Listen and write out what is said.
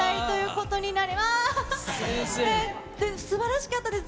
すばらしかったです。